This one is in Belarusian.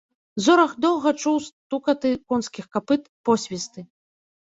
Зорах доўга чуў стукаты конскіх капыт, посвісты.